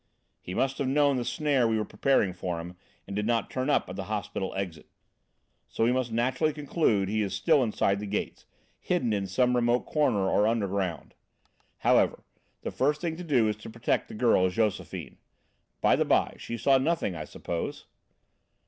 "He must have known the snare we were preparing for him and did not turn up at the hospital exit, so we must naturally conclude he is still inside the gates, hidden in some remote corner, or underground. However, the first thing to do is to protect the girl, Josephine. By the by, she saw nothing, I suppose?"